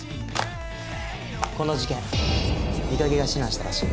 この事件美影が指南したらしい。